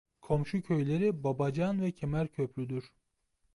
Komşu köyleri Babacan ve Kemerköprü'dür.